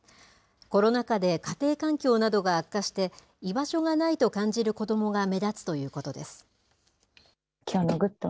コロナ禍で家庭環境などが悪化して、居場所がないと感じる子どもが目立つということです。